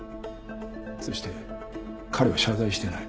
そして彼は謝罪していない。